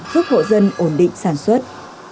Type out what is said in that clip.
giúp hộ dân ổn định sản xuất